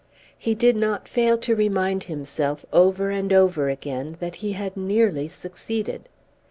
He did not fail to remind himself over and over again that he had nearly succeeded.